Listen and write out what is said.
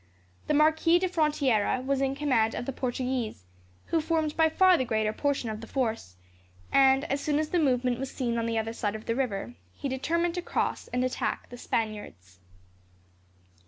The Marquis de Frontiera was in command of the Portuguese, who formed by far the greater portion of the force, and, as soon as the movement was seen on the other side of the river, he determined to cross and attack the Spaniards.